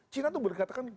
cina tuh bukan kebijakan